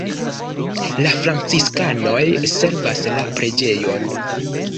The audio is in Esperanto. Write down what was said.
La franciskanoj servas la preĝejon.